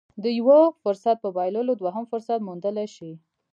د يوه فرصت په بايللو دوهم فرصت موندلی شي.